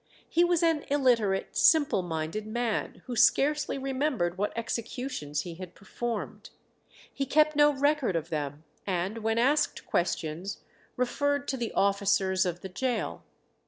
He was an illiterate, simple minded man, who scarcely remembered what executions he had performed. He kept no record of them, and when asked questions, referred to the officers of the gaol.